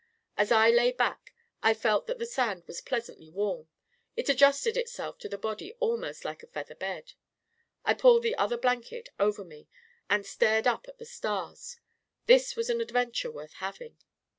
As I lay back, I felt that the sand was pleasantly warm ; it adjusted itself to the body almost like a feather bed. I pulled the other blanket over me, and stared up at the stars. This was an adventure worth hav ing!